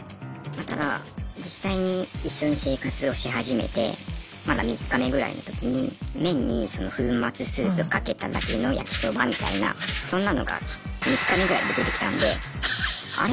ただ実際に一緒に生活をし始めてまだ３日目ぐらいの時に麺に粉末スープかけただけの焼きそばみたいなそんなのが３日目ぐらいで出てきたんであれ？